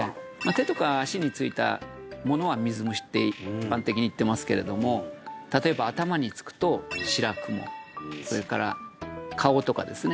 手とか足についたものは水虫って一般的に言ってますけれども例えば頭につくとシラクモそれから顔とかですね